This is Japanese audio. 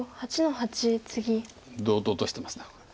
堂々としてますこれ。